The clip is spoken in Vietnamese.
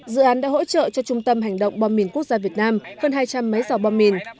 dự án đã hỗ trợ cho trung tâm hành động bom mìn quốc gia việt nam hơn hai trăm linh máy dò bom mìn